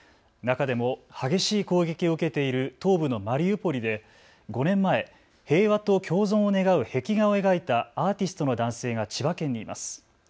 中でも激しい攻撃を受けている東部のマリウポリで５年前、平和と共存を願う壁画を描いたアーティストの男性が千葉県にいます。